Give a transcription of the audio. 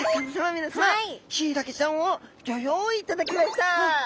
皆さまヒイラギちゃんをギョ用意いただきました！